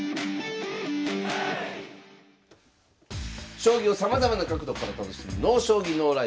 将棋をさまざまな角度から楽しむ「ＮＯ将棋ＮＯＬＩＦＥ」